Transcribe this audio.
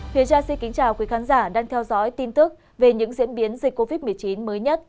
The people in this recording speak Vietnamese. phía cha xin kính chào quý khán giả đang theo dõi tin tức về những diễn biến dịch covid một mươi chín mới nhất